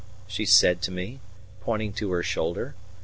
she said to me, pointing to her shoulder.